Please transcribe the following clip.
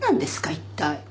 一体。